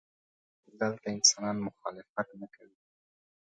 دلته انسانان مخالفت نه کوي.